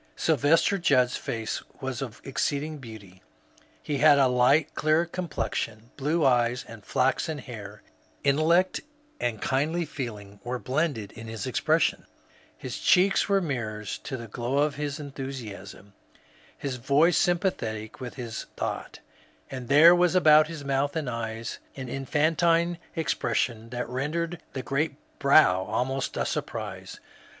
Sylvester Judd's face was of exceeding beauty ; he had a light clear complexion, blue eyes, and flaxen hair ; intellect and kindly feeling were blended in his expression ; his cheeks were mirrors to the glow of his enthusiasm, his voice sympa thetic with his thought ; and there was about his moutii and eyes an infantine expression that rendered the great brow almost a surprise.